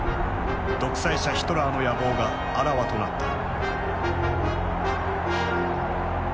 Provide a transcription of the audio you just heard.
独裁者ヒトラーの野望があらわとなった。